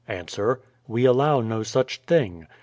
Ans: We allow no such thing.